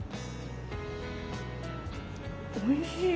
おいしい。